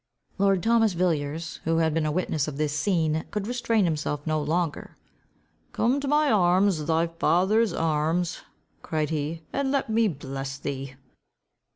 Lord Thomas Villiers, who had been a witness of this scene, could restrain himself no longer. "Come to my arms, thy father's arms," cried he, "and let me bless thee."